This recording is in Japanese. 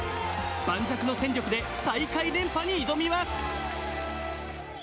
盤石で大会連覇に挑みます。